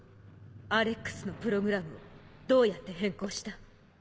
アレックスのプログラムをどうやって変更した？